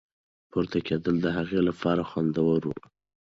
پورته کېدل د هغې لپاره خوندور وو.